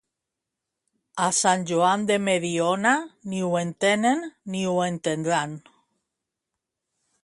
A Sant Joan de Mediona, ni ho entenen ni ho entendran.